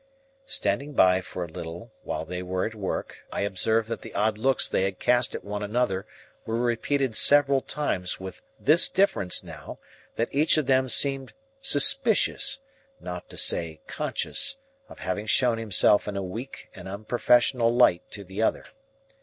Standing by for a little, while they were at work, I observed that the odd looks they had cast at one another were repeated several times: with this difference now, that each of them seemed suspicious, not to say conscious, of having shown himself in a weak and unprofessional light to the other.